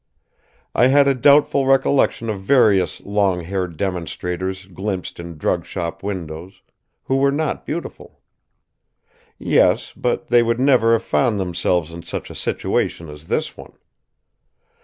I had a doubtful recollection of various long haired demonstrators glimpsed in drugshop windows, who were not beautiful. Yes, but they would never have found themselves in such a situation as this one!